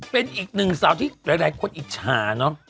เป็นอีกหนึ่งสาวที่หลายคนอิจฉาเนาะ